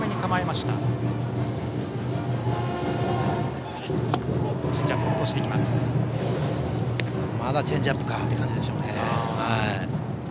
まだチェンジアップかって感じでしょうね。